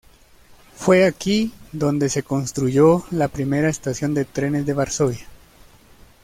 Fue aquí donde se construyó la primera estación de trenes de Varsovia.